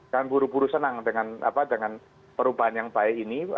kan buru buru senang dengan perubahan yang baik ini